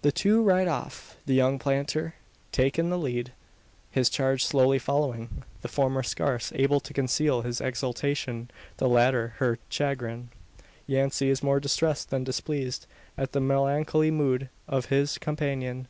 The two ride off; the young planter taking the lead, his charge slowly following the former scarce able to conceal his exultation, the latter her chagrin. Yancey is more distressed than displeased, at the melancholy mood of his companion.